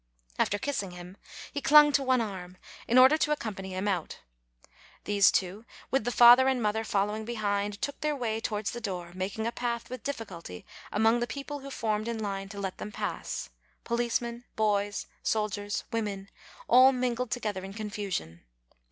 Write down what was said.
After kissing him, he clung to one arm, in order to accompany him 244 APRIL out. These two, with the father and mother following behind, took their way towards the door, making a path with difficulty among the people who formed in line to let them pass, policemen, boys, soldiers, women, all mingled together in confusion.